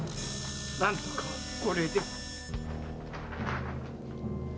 なんとかこれで。